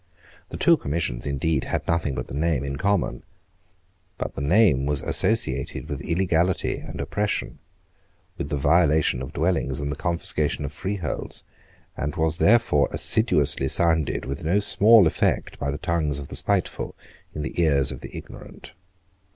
The two commissions indeed had nothing but the name in common. Put the name was associated with illegality and oppression, with the violation of dwellings and the confiscation of freeholds, and was therefore assiduously sounded with no small effect by the tongues of the spiteful in the ears of the ignorant.